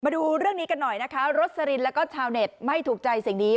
มาดูเรื่องนี้กันหน่อยนะคะรสลินแล้วก็ชาวเน็ตไม่ถูกใจสิ่งนี้